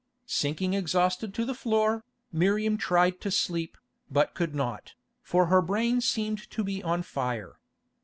Sinking exhausted to the floor, Miriam tried to sleep, but could not, for her brain seemed to be on fire.